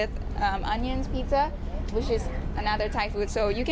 ถ้ามันมีข้าวคือไทเกอร์ขอบคุณค่ะ